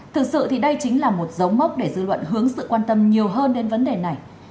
thực sự thì đây chính là một dấu mốc để dư luận hướng sự quan tâm nhiều hơn đến vấn đề này